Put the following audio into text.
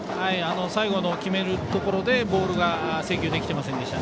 最後の決めるところでボールが制球できてませんでした。